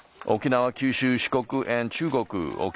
沖縄、九州、四国中国です。